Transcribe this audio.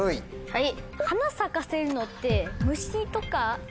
はい。